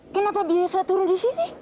kenapa biasa turun di sini